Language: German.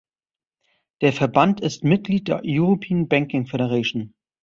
Der Verband ist Mitglied der European Banking Federation.